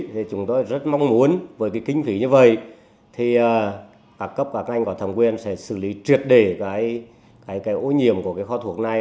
thì chúng tôi rất mong muốn với cái kinh phí như vậy thì các cấp các ngành có thầm quyền sẽ xử lý truyệt để cái ổ nhiệm của cái kho thuốc này